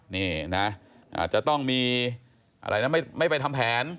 นี่นะจะต้องมีอะไรนะไม่ไปทำแผน